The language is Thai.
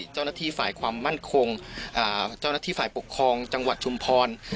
เจ้าหน้าที่ฝ่ายความมั่นคงเจ้าหน้าที่ฝ่ายปกครองจังหวัดชุมพร